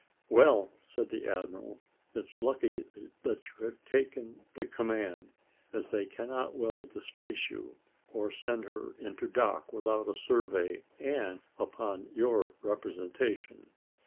"Well," said the admiral, "it's lucky that you have taken the command, as they cannot well displace you, or send her into dock without a survey, and upon your representation."